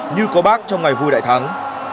như có bác trong ngày vui đại thắng